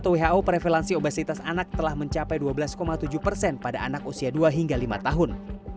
who prevalansi obesitas anak telah mencapai dua belas tujuh persen pada anak usia dua hingga lima tahun